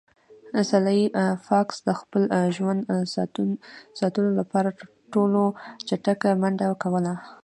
سلای فاکس د خپل ژوند ساتلو لپاره تر ټولو چټکه منډه کوله